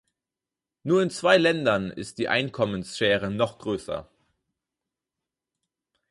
Nur in zwei Ländern ist die Einkommensschere noch größer.